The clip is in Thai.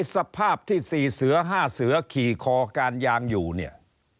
สภาพที่๔เสือ๕เสือขี่คอการยางอยู่เนี่ย